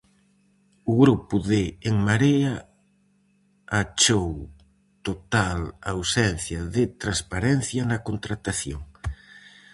O grupo de En Marea achou "total ausencia de transparencia" na contratación.